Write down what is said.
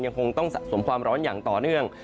ยังคงต้องสะสมความร้อนอย่างต่อเนื่อง